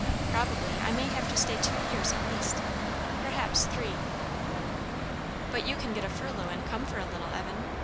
Probably I may have to stay two years at least; perhaps three." "But you can get a furlough and come for a little while, Evan?"